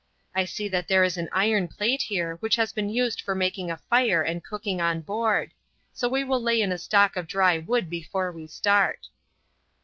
I see that there is an iron plate here which has been used for making a fire and cooking on board, so we will lay in a stock of dry wood before we start."